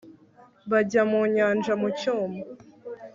Bajya mu nyanja mu cyuma